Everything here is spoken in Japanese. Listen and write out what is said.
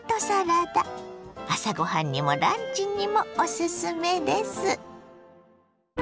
朝ご飯にもランチにもおすすめです。